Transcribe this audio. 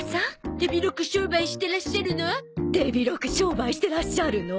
手広く商売してらっしゃるの？